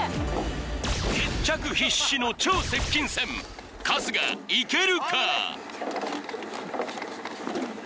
決着必至の超接近戦春日いけるか？